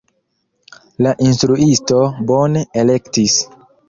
La instruisto bone elektis.